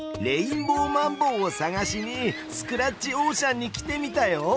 レインボーマンボウを探しにスクラッチオーシャンに来てみたよ！